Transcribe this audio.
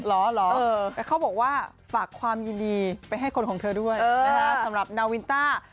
เหรอแต่เขาบอกว่าฝากความยินดีไปให้คนของเธอด้วยสำหรับนาวินต้า